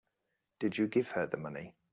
Did you give her the money?